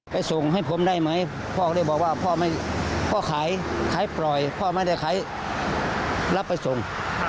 ส่งให้ผมได้ไหมพ่อก็เลยบอกว่าพ่อขายขายปล่อยพ่อไม่ได้ขายรับไปส่ง